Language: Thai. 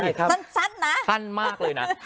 สั้นนะสั้นมากเลยนะ